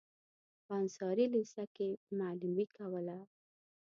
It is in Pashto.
په انصاري لېسه کې معلمي کوله.